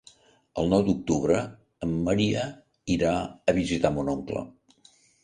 El nou d'octubre en Maria irà a visitar mon oncle.